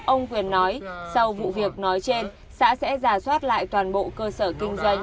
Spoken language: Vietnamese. ông quyền nói sau vụ việc nói trên xã sẽ giả soát lại toàn bộ cơ sở kinh doanh